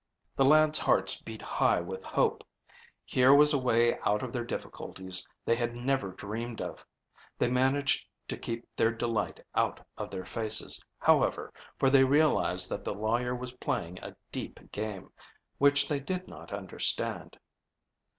The lads' hearts beat high with hope. Here was a way out of their difficulties they had never dreamed of. They managed to keep their delight out of their faces, however, for they realized that the lawyer was playing a deep game, which they did not understand.